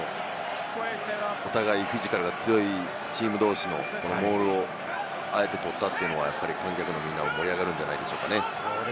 お互いフィジカルが強いチーム同士のモールをあえて取ったというのは、観客のみんなも盛り上がるんじゃないでしょうかね。